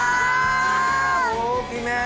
大きめ！